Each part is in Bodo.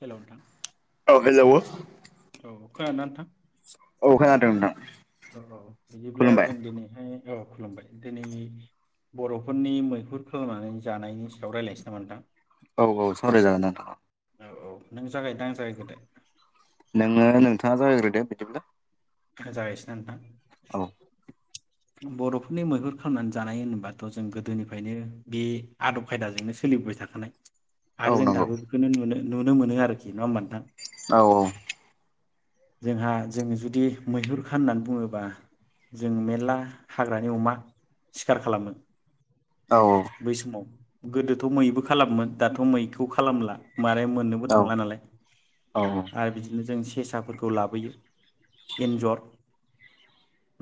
हेलौ नोंथां औ हेलौ औ औ खोनादोंना नोंथां खोनादों नोंथां औ औ बिदिब्ला खुलुमबाय जों दिनैहाय औ खुलुमबाय दिनै बर'फोरनि मैहुर खालामनानै जानायनि सायाव रायज्लायसै नामा नोंथां औ औ सावराय जागोन नोंथां औ औ नों जागायनो ना आं जागायग्रानो नोङो नोंथाङा जागायग्रोदो बिदिब्ला जागायसैना नोंथां औ बर'फोरनि मैहुर खालामनानै जानाय होनोबाथ' जों गोदोनिफ्रायनो बे आदब खायदाजोंनो सोलिबोबाय थाखानाय औ आरो जों नंगौ दाबो बेखौनो नुनो नुनो मोनो आरोखि। नङा होमबा नोंथां? औ औ जोंहा जों जुदि मैहुर खाननानै बुङोबा जों मेरला हाग्रानि अमा सिखार खालामो। औ बै समाव गोदोथ' मैबो खालामोमोन दाथ' मैखौ खालामला मारै मोननोबो औ थांला नालाय औ आर बिदिनो जों सि फेसाफोरखौ लाबोयो एन्जर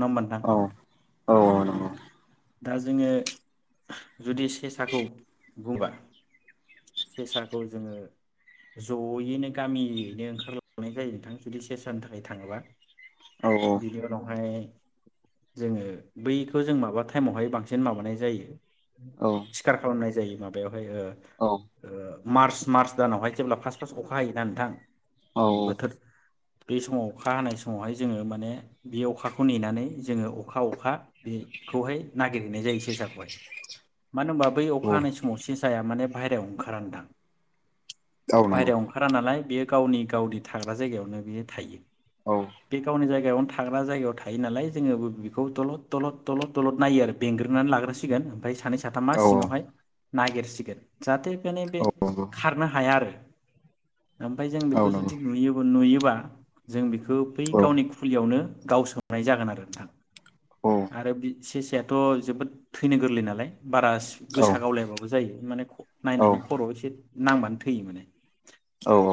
नडा होनबा नोंथां? औ औ नंगौ दा जोङो जुदि सेसाखौ बुंबा सेसाखौ जोङो जयैनो गामियैनो ओंखारलांनाय जायो नोंथां जुदि सेसानि थाखाय थाङोबा। औ बिदि उनावहाय जोङो बैखौ जों माबा टाइमावहाय बांसिन माबानाय जायो। सिखार खालामनाय जायो। माबायाव फ्राय ओ ओ मार्च मार्च दानावहाय जेब्ला फार्स फार्स अखा हायोना नोंथां बोथोर बे समाव अखा हानाय समावहाय जोङो माने बे अखाखौ नेनानै जोङो अखा अखा बेखौहाय नागिरहैनाय जायो सेसाखौहाय। मानो होनबा बै औ अखा हानाय समाव सेस साया माने बाहेरायाव ओंखारा नोंथां। औ औ नंगौ बाहेरायाव ओंखारा नालाय बेयो गावनि गावनि थाग्रा जायगायावनो बियो थायो। औ बे गावनि जायगायाव थाग्रा जायगायाव थायो नालाय जोङो बे बिखौ दलद दलद दलद दलद नायो आरो बेंग्रोनानै लाग्रसिगोन सानै साथामा औ सिङावहाय नागिरसिगोन जाहाथे फ्रायनो बे औ नंगौ खारनो हाया आरो ओमफाय जों बेखौ औ नंगौ जुदि नुयो बो नुयो बा जों बेख खौ बै औ गावनि खुलियावनो गावसोमनाय जागोन आरो नोंथां। औ आरो बि सेसायाथ' जोबोद थैनो गोरलै ना लाय बारा औ गोसा गावलायबाबो जायो माने औ नायनानै खर' एसे नांबानो थैयो माने।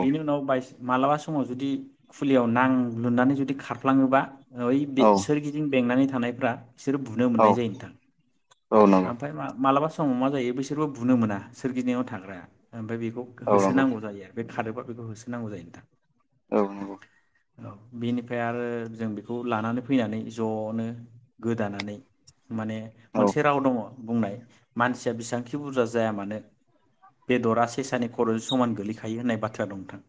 बेनि उनाव बायसान्स मालाबा समाव जुदि खुलियाव नांलुननानै जुदि खारफ्लाङोबा ओइ सोरगिदिं बेंनानै थानायफ्रा बिसोरो बुनो मोननाय जायो नोंथां। औ नंगौ औ नंगौ ओमफ्राय मा मालाबा समाव मा जायो बिसोरबो बुनो मोना सोरगिदिंयाव थाग्राया। ओमफ्राय बेखौ औ नंगौ होसोनांगौ जायो बे खारोबा बे बेखौ होसोनांगौ जायो नोंथां। औ नंगौ औ बेनिफ्राय आरो जों बेखौ लानानै फैनानै ज'नो गोदानानै माने औ मोनसे दङ बुंनाय मानसिया बेसेबांखि बुरजा जाया मानो बेदरा सेसानि खर' समान गोलैखायो होननाय बाथ्रा दं नोंथां।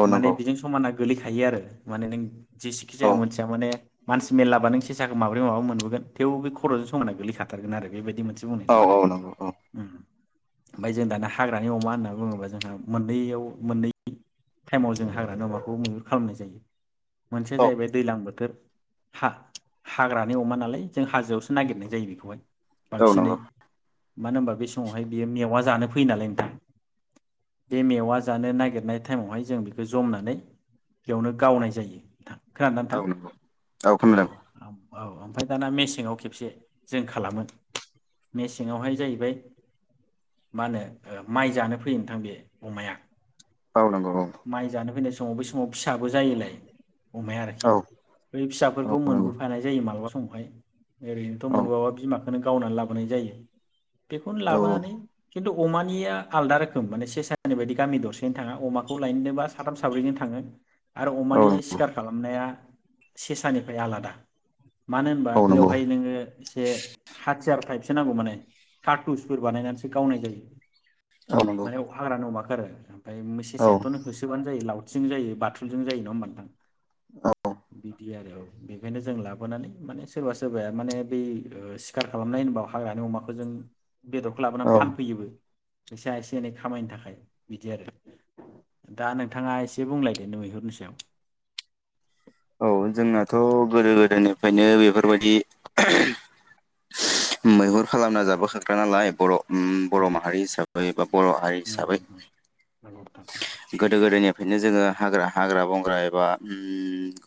औ नंगौ औ माने नंगौ बेजों समान गोलैखायो आरो माने नों जेसेखि जाया औ मोनथिया माने मानसि मेर्लाबा नों सेसाखौ माब्रै माबा मोनबोगोन थेव बे खर'जों समाना गोलैखागोन। खाथारगोन आरो बेबायदि मोन। इदि बुंनाय औ दं आरो ओम। ओमफफ्राय जों दाना हाग्रानि अमा होनना बुङोबा जोंहा मोननैयाव मोननै टाइमाव जों हाग्रानि अमाखौ महुर खालामनाय जायो। मोनसेया जाहैबाय दैज्लां बोथोर हा-हाग्रानि अमा नालाय जों हाजोआवसो नागिरनाय जायो बेखौहाय बांसिनै नंगौ मानो होनबा बे समावहाय बियो मेवा जानो फैयो नालाय नोंथां बे मेवा जानो नागिरनाय टाइमावहाय जों बेखौ जमनानै बेयावनो गावनाय जायो। नोंथां खोनादोंना नोंथां औ नंगौ औ खोनादों औ ओमफ्राय दाना मेसेंवा खेबसे जों खालामो मेसेङावहाय जाहैबाय मा होनो माइ जानो फैयो नोंथां बे अमाया औ नंगौ औ माइ जानो फैनाय स समाव बै समाव फिसाबो जायोलाय। अमाया आरोखि औ बै औ फिसाफोरखौ नंगौ मोनबोफानाय जायो मालाबा समाव [unintelligible] ओरैनोथ' औ मोनबावा खौनो गावनानै लाबोनाय जायो बेखौनो औ लाबोनानै खिन्थु अमानिया आलदा रोखोम माने सेसा होनानाय बायदि गामि दरसेनो थाङा अमाखौ लायनोबा साथाम साब्रैजों थाङो। आरो औ अमानि सिखार खालामनाया सेसानिफ्राय आलादा मानो होनबा औ नंगौ बेयावहाय नोङो एसे हाथियार टाइपसो नांगौ माने कार्टुनसफोर बानायनानैसो गावनाय जायो। औ नंगौ माने हाग्रानि अमाखौ आरो ओमफ्राय मो औ सेसायाथ'नो होसोबानो जायो लाव थिजों जायो बाथुलजों नङा होनबा नोंथां? बिदि आरो औ बेनिखायनो जों लाबोनानै माने सोरबा सोरबाया माने बै सिखार खालामनाय होनोबा हाग्रानि अमाखौ जों बेदरखौ लाबोनानै फानफैयोबो फैसाया एसे एनै खामायनो थाखाय बिदि आरो दा नोंथाङा एसे बुंलायदो नोथां मैहुरनि सायाव। औ जोंनाथ' गोदो गोदायनिफ्रायनो बेफोरबायदि मैहुर खालामना जाबोखाग्रा नालाय बर' ओम उम, बर' माहारि हिसाबै [unintelligible] बर' हारि नंगौ हिसाबै नोंथां नंगौ नोंथां गोदो गोदायनि बेखायनो जोङो हाग्रा हाग्रा बंग्रा एबा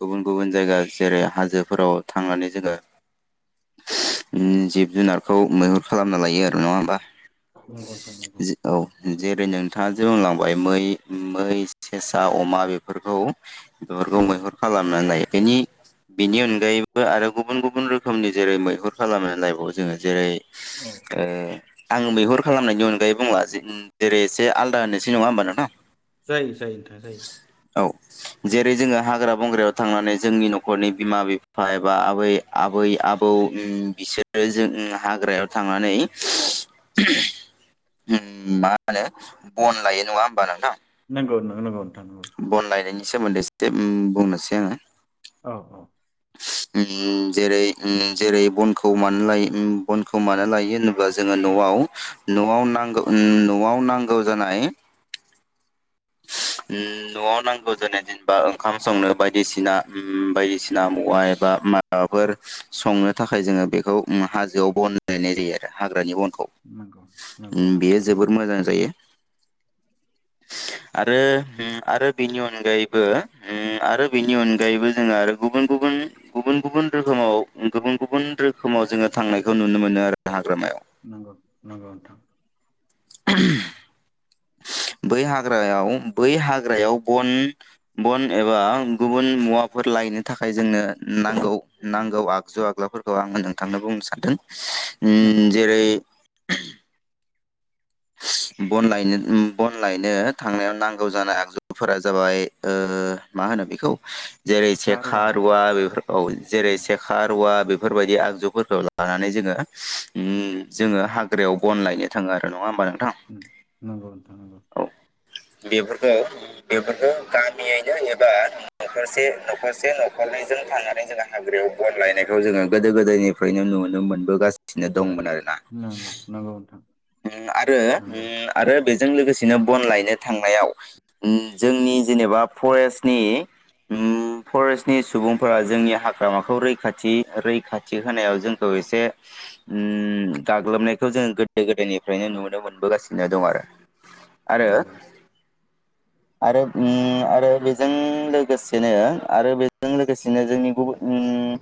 ओम गुबुन गुबुन जायगा जेरै हाजोफोराव थांनानै जोङो जिब ओम जुनारखौ मैहुर खालामना लायो आरो नङा होमबा? नंगौ नोंथां नंगौ। जि- औ जेरै नोंथाङा जों बुंलांबाय मै मै सेसा अमा बेफोरखौ नंगौ बेफोरखौ मैहुर नोंथां [unintelligible] बेनि अनगायैबो आरो गुबुन गुबुन रोखोमनि जेरै मैहुर खालाम लायबावो जोङो जेरै औ ओ आं मैहुर खालामनायनि अनगायै बुंला जेरै एसे आलदा होननोसै नङा होमबा नोंथां। जायो जायो नोंथां जायो औ जेरै जोङो हाग्रा बंग्रायाव थांनानै जोंनि न'खरनि बिमा बिफा एबा आबै आबै आबौ बिसोरो जों हाग्रायाव थांनानै ओम मा होनो बन लायो नङा होमबा नोंथां? नोंगौ नो नंगौ नोंथां। नि सोमोन्दै एसे बुंनोसै आङो। औ औ। ओ जेरै ओ जेरै बनखौ मानो लायो बनखौ मानो लायो होनोब्ला जोङो न'आव नआव नागौ न'आव नांगौ जानाय ओ न'आव नांगौ जानाय जेनेबा ओंखाम संनो बायदिसिना ओ बायदिसिना मुवा एबा माबाफोर संनो थाखाय जोङो बेखौ ओ हाजोआव बन लायनाय जायो आरो हाग्रानि बन नंगौ नंगौ नोंथां बेयो जोबोर मोजां जायो आरो ओ आरो बेनि अनगायैबो ओ आरो बेनि अनगायैबो जोङो आरो गुबुन गुबुन गुबुन गुबुन रोखोमाव गुबुन गुबुन रोखोमाव जोङो थांनायखौ नुनो मोनो आरो हाग्रामायाव नंगौ नंगौ नोंथां नंगौ बै हाग्रायाव बै हाग्रायाव बन बन एबा गुबुन मुवाफोर लायनो थाखाय जोंनो नांगौ नांगौ आगजु आग्लाफोर खौ आङो नोंथांनो बुंनो सानदों उम नंगौ जेरै बन लायनो बन लायनो थांनायाव नांगौ जानाय आगजुफोरा जाबाय ओ मा होनो बेखौ जेरै सेखा गार'आ रुवा बेफोरखौ जेरै उम सेखा रुवा बेफोरबायदि आगजुफोरखौ लानानै जोङो ओ उम जोङो हाग्रा हाग्रायाव बन लायनो थाङो आरो नङा होम ओम नंगौ नोंथां नंगौ औ बेफोरखौ बेफोरखौ गामियैनो एबा नरसे नखरसे नखरनैजों थांनानै जोङो हाग्रायाव बन लायनायखौ जोङो गोदो गोदायनिफ्रायनो नुनो मोनबोगासिनो दंमोन आरो नंगौ नोंथां ओम आरो नंगौ ओम आरो बेजों लोगोसेनो बन लायनो थांनायाव ओम जोंनि उम जेनेबा फरेस्ट नि ओम फरेस्टनि सुबुंफोरा जोंनि हाग्रामाखौ रैखाथि रैखाथि होनायाव जोंखौ एसे ओम गाग्लोबनायखौ जोङो गोदो गोदो गोदोनिफ्रायनो नुनो मोनबोगासिनो दंआरो नंगौ आरो ओम आरो बेजों लोग लोगोसेनो आरो बेजों लोगोसेनो जोंनि गुबुन ओम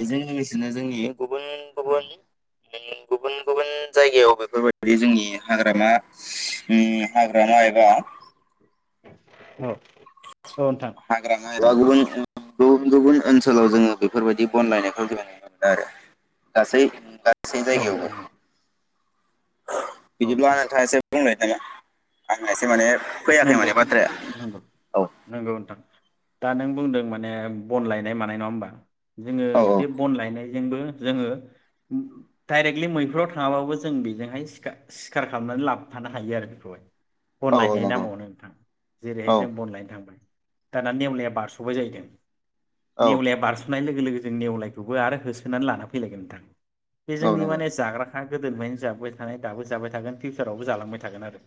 बेजों लोगोसेनो जोंनि गुबुन ओम गुबुन [unintelligible] गुबुन गुबुन जायगायाव बेफोरबायदि जोंनि हाग्रामा ओम हाग्रामा एबा ओम औ नोंथां हाग्रामा एबा गुबुन गुबुन ओनसोलाव जोङो बेफोरबायदि बन लायनायखौ जों नुनो मोनदों आरो गासै गासै औ जायगायावबो नोंथां औ बिदिब्ला नोंथां एसे [inaudible] बुंनो नामा आंना एसे माने फैयाखै नोंगौ माने बाथ्राया नंगौ औ नोंगौ नोंथां। दा नों बुंदों माने बन लायनाय मानाय नङा होमबा। जोङो औ बे बन लायनायजोंबो। जोङो ड-डाइरेक्टलि मैहुराव थाङाबाबो जों बिजोंहाय सिखा-सिखार खालामनानै लाबफ्फानो हायो आरो बिखौहाय। बन औ औ लायनाय नंगौ नामाव। थाङ जेरैहाय औ जों बन लायनो थाङ दाना नेवलाया बारस'बाय जाहैदों। औ नेवलाया बारस' नाय लोगो लोगो जों नेवलायखौबो आरो होसोनानै लाना फैलायगोन नोंथां। बे औ जोंनि नंगौ माने जाग्रा हा गोदोनिफायनो जाबोबाय थानाय दाबो जाबाय थागोन फिउचारावबो जालांबाय थागोन आरो।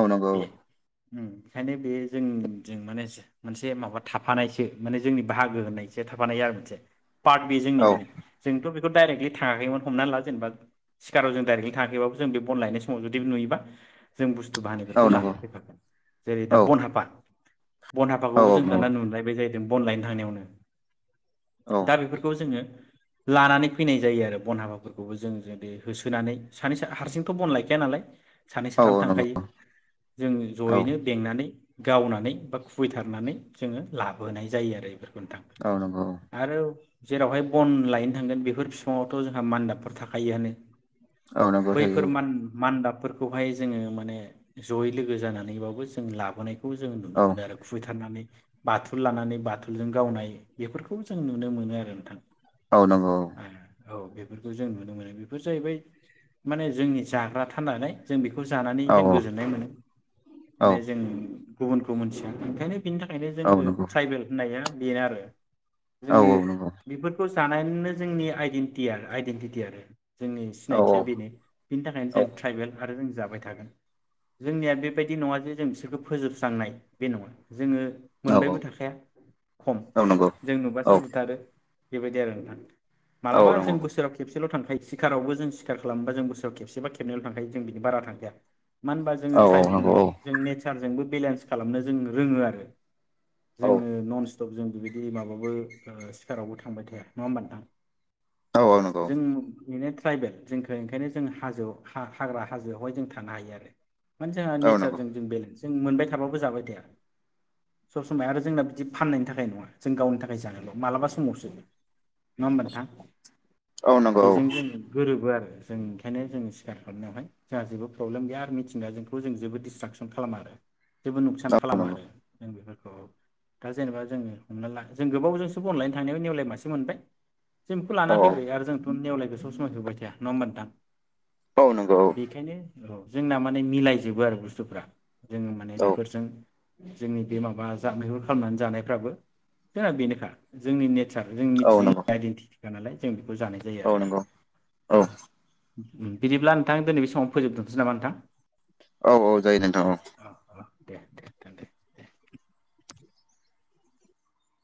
औ नंगौ बे औ। उम ओंखायनो बे जोंजों माने जो मोनसे माबा थाफानायसो माने जोंनि बाहागो होननायसो थाफानाय आरो मोनसे। पार्ट बे जोंनि औ माने जोंथ' बेफ बेखौ डाइरेक्टलि थाङाखैमोन हमनानै ला जेनेबा सिखाराव जों डायरेक्टलि थाङाखैबाबो जों बे बन लायनाय समाव जुदि नुयोबा जों बुस्थ औ बानिखौ नंगौ लाना फैफादोंं। जेरै दा औ बन हापा। बन औ हापाखौबो औ जों नंगौ दाना नुनायबाय जायो जों बन लायनो थांनायावनो। औ दा बिफोरखौ जोङो। लानानै फैनाय जायो आरो बन हाबाफोरखौबो जों जोदि होसोनानै सानै सा हारसिंथ' बन लायखाया नालाय। सानै साथाम औ नंगौ थांखायो जोंङो। औ ज'यैनो बेंना नै गावनानै बा खुबैथारनानै जोङो लाबहोनाय जायो आरो इफोर औ नंगौ औ आरो जेरावहाय बन लायनो थांगोन बेफोर फिफाङावथ' जोंहा मान्दाबफोर थाखायोआनो। औ नंगौ बैफोर थायो मान-मान्दाब। फोरखौहाय जोङो माने जयै लोगो जानान नैबाबो जों लाबोनायख खौ जों नुनो औ मोनो आरो खुबैथारनानै। बाथुल लानानै बाथुलजों गावनाय बेफोरखौ जों नुनो मोनो आरो नोंथां। औ नांगौ। औ बेफोरखौ जों नुनो मोनो बेफोर जाहैबाय माने जोंनि जाग्रा थाननानै जों बेख खौ जानानै औ जों गोजोननाय मोनो। औ माने जों गुबुनखौ मिथिया ओंखायनो बिनि थाखायनो औ जोङो नंगौ ट्राइबेल होननाया बेनो आरो। औ जोंनि औ नंगौ बेफोरखौ जानायनो जोंनि आइडेन्टिया आइडेन्टिटि आरो। जोंनि औ सिनायथिया बेनो बिनि थाखायनो औ जों ट्राइबेल आरो जों जाबाय थागोन जोंनिया बे बायदि नङा जे जों बिसोरखौ फोजोबस्रांनाय बे नङा जोङो औ मोनबायबो थाखाया खम औ नंगौ जों नुबासो औ बुथारो। बेबायदि आरो नोंथां। औ मालाबा नंगौ जों बोसोराव खेबस सिल' थांखायो सिखारावबो जों सिखार खालामबा जों बोसोराव खेबसेबा खेननैल थांखायो जों बिनि बारा थांखाया। मानो होनबा जोङो औ ट्राइब नंगौ औ नालाय जों नेचारजों नोंबो बेलेन्स खालामनो जों रोङो आरो। औ जोङो ननस सफ जों बिबायदि माबाबो ओ सिखारावबो थांबाय थाया नङा होमबा नोंथां? औ औ नोंगौ। बिनो ट्राइबेल जोंखो ओंखायनो जों हाजोआव हा-हाग्रा हाजोआवहाय जों थानो हायो आरो माने जोङो औ नंगौ नेचारजों जों बेलेन्स जों मोनबाय थाबाबो जाबाय थाया। सब समाय आरो जोंना बिदि फाननायनि थाखाय नङा। जों गावनि थाखाय जानायल' मालाबा समावसो नङा होमबा नोंथां? औ नंगौ औ बेजों जों गोरोबो आरो। जों ओंखायनो जों सिखार खालामनो हाबाय। जोंहा जेबो प्रब्लेम गैया आरो मिथिं जों खौ जों जेबो डिसट्राकसन खालामा आरो जेबो नुकसान औ नंगौ औ नंगौ औ नंगौ औ खालामा आरो। जों बेफोरखौ दा जेनेबा जोङो हमना ला जों गोबावजोंसो बनलायनो थांनायाव नेवलाय मासे मोनबाय जों बेखौ लान नंगौ औ फैबाय आरो जोंथ' नेवलाय बे सब समाय जोबायथाया नङा ओमबा नोंथां? औ नंगौ औ। बेखायनो औ जोंना माने मिलाय जोबो आरो बुस्थुफ्रा जोङो माने बेफोरजों जोंनि बे माबा जा मैहुर खालामनानै जानायफ्राबो फुरा बेनोखा जोंनि नेथ सा जों मिथिं [unintelligible] आइडेन्टि। गानालाय जों। बो जानाय जायो आरो नोंथां। उम बिदिब्ला नोंथां दिनै बे समावनो फोजोबथनोसै नामा नोंथां? औ औ जायो नोंथां औ। अ अ दे दे दोन दे दे।